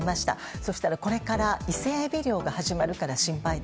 そうしたらこれから伊勢エビ漁が始まるから心配だ。